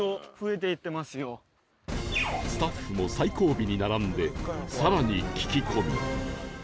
スタッフも最後尾に並んで更に聞き込む